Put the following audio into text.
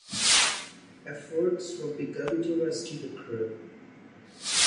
Efforts were begun to rescue the crew.